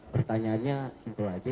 pertanyaannya simple saja